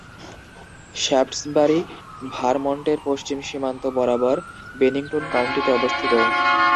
Shaftsbury ভারমন্টের পশ্চিম সীমান্ত বরাবর Bennington কাউন্টিতে অবস্থিত।